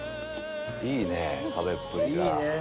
いいね食べっぷりが。